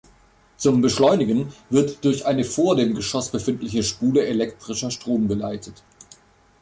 Zum Beschleunigen wird durch eine vor dem Geschoss befindliche Spule elektrischer Strom geleitet.